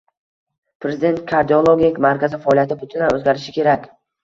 Prezident: Kardiologiya markazi faoliyati butunlay o‘zgarishi kerakng